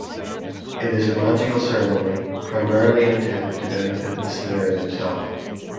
It is a magical ceremony primarily intended to benefit the sinner themself.